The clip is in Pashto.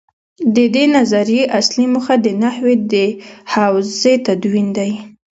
د دې نظریې اصلي موخه د نحوې د حوزې تدوین دی.